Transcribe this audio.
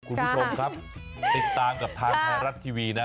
คุณผู้ชมครับติดตามกับทางไทยรัฐทีวีนะ